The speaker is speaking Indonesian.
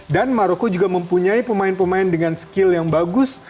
maroko juga mempunyai pemain pemain dengan skill yang bagus